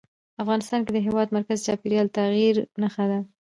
افغانستان کې د هېواد مرکز د چاپېریال د تغیر نښه ده.